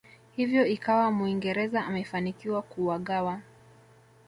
Hivyo ikawa muingereza amefanikiwa kuwagawa